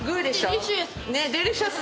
女性：デリシャス！